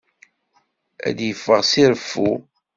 Ad yeffeɣ s reffu.